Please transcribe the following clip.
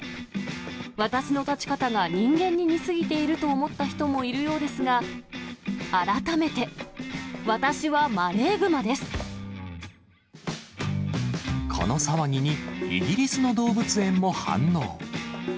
私の立ち方が人間に似過ぎていると思った人もいるようですが、この騒ぎに、イギリスの動物園も反応。